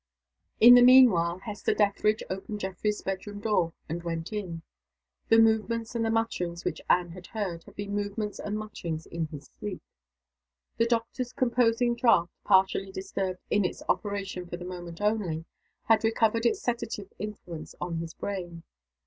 In the mean while Hester Dethridge opened Geoffrey's bedroom door and went in. The movements and the mutterings which Anne had heard, had been movements and mutterings in his sleep. The doctor's composing draught, partially disturbed in its operation for the moment only, had recovered its sedative influence on his brain.